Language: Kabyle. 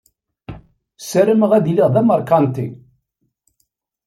SarameƔ ad iliƔ d amaṛkanti.